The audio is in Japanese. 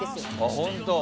本当？